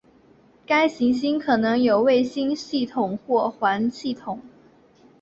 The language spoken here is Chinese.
该行星可能有卫星系统或环系统。